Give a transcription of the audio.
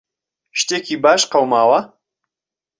شتێکی باش قەوماوە؟